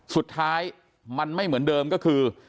สุดท้ายมันไม่เหมือนเดิมก็คือ